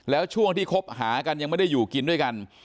แล้วช่วงที่คบหากันยังไม่ได้อยู่กินด้วยกัน